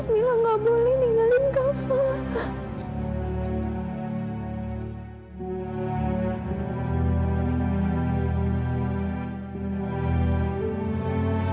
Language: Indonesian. mila gak boleh ninggalin kak fadil